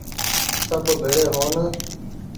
سب ڀيڙي هون ۔